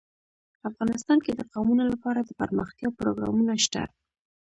افغانستان کې د قومونه لپاره دپرمختیا پروګرامونه شته.